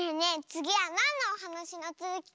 つぎはなんのおはなしのつづき